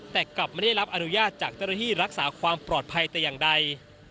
แต่กลับไม่ได้รับอนุญาตจากเจ้าหน้าที่รักษาความปลอดภัยแต่อย่างใด